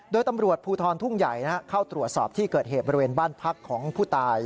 โดยตำรวจภูทรทุ่งใหญ่เข้าตรวจสอบที่เกิดเหตุบริเวณบ้านพักของผู้ตาย